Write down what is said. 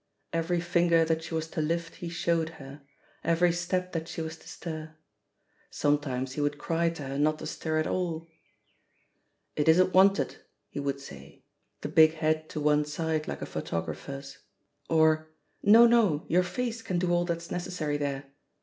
Every finger that she was to lift he showed her ; every step that she was to stir. Sometimes he would cry to her not to stir at all. "It isn't wanted," he would say, the big head to one side like a photogra pher's; or, "No, no, your face can do all that's necessary there.